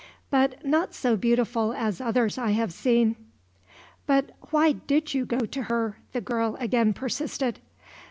But not so beautiful as others I have seen." "But why did you go to her?" the girl again persisted.